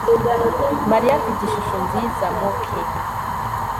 mariya afite ishusho nziza. (mookeee